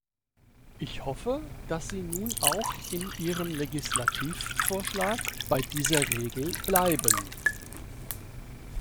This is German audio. Ich hoffe, dass Sie nun auch in Ihrem Legislativvorschlag bei dieser Regel bleiben.